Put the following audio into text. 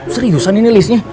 seriusan ini listnya